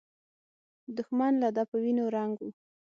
دښمن له ده په وینو رنګ و.